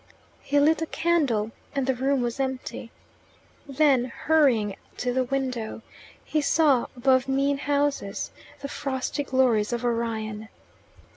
He lit a candle, and the room was empty. Then, hurrying to the window, he saw above mean houses the frosty glories of Orion.